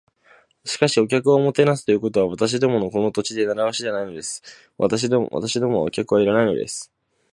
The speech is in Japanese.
「しかし、お客をもてなすということは、私どものこの土地では慣わしではないので。私どもはお客はいらないのです」